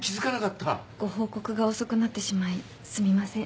ご報告が遅くなってしまいすみません。